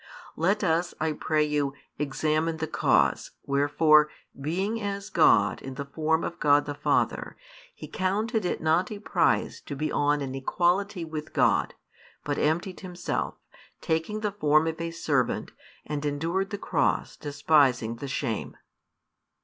Let us, I pray you, examine the cause, wherefore, being as God in the form of God the Father, He counted it not a prize to be on an equality with God, but emptied Himself, taking the form of a servant, and endured the cross despising the shame.